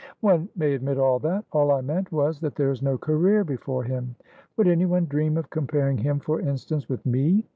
"One may admit all that. All I meant was that there is no career before him. Would anyone dream of comparing him, for instance, with me?